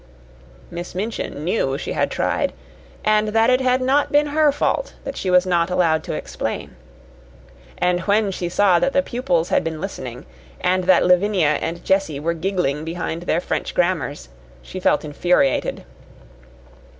Miss Minchin knew she had tried, and that it had not been her fault that she was not allowed to explain. And when she saw that the pupils had been listening and that Lavinia and Jessie were giggling behind their French grammars, she felt infuriated.